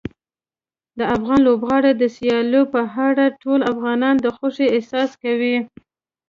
د افغان لوبغاړو د سیالیو په اړه ټول افغانان د خوښۍ احساس کوي.